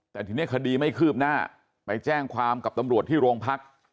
แต่ทีนี้คดีไม่คืบหน้าไปแจ้งความกับตำรวจที่โรงพัก